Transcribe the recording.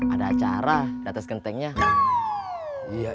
ada acara di atas gentengnya